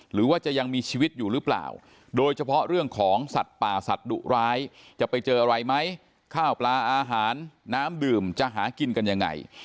หรือว่าจะยังมีชีวิตอยู่หรือเปล่าโดยเฉพาะเรื่องของสัตว์ป่าสัตว์ดุร้ายจะไปเจออะไรไหมข้าวปลาอาหารน้ำดื่มจะหากินกันยังไง